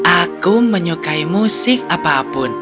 aku menyukai musik apapun